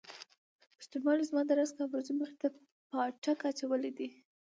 پښتونولۍ زما د رزق او روزۍ مخې ته پاټک اچولی دی.